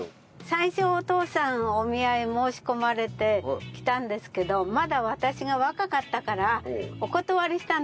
最初お父さんお見合い申し込まれて来たんですけどまだ私が若かったから。